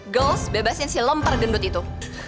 gols bebasin si lempar gendut itu